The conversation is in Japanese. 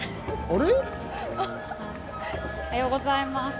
おはようございます。